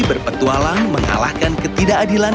berpetualang mengalahkan ketidakadilan